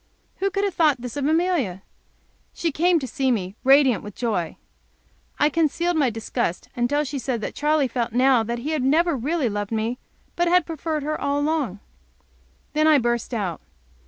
Who could have thought this of Amelia! She came to see me, radiant with joy. I concealed my disgust until she said that Charley felt now that he had never really loved me, but had preferred her all along. Then I burst out.